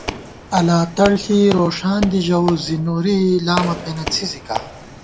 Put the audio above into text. الاتڑ ݪی رو ݭان دی ژَوُس زی نوری لامہ پېنہ څھِزِکا